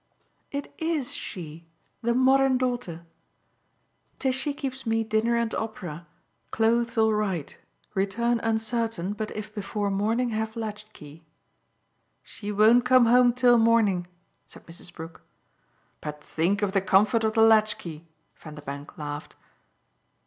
"It IS she the modern daughter. 'Tishy keeps me dinner and opera; clothes all right; return uncertain, but if before morning have latch key.' She won't come home till morning!" said Mrs. Brook. "But think of the comfort of the latch key!" Vanderbank laughed.